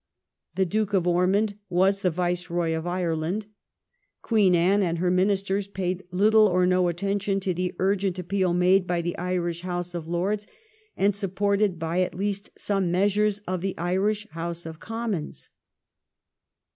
The Duke of Ormond was the Viceroy of Ireland. Queen Anne and her Ministers paid little or no attention to the urgent appeal made by the Irish House of Lords and supported by at least some members of the Irish House of Commons.